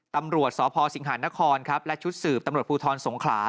ตำรวจสพสิงหานครครับและชุดสืบตำรวจภูทรสงขลา